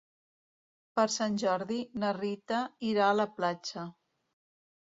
Per Sant Jordi na Rita irà a la platja.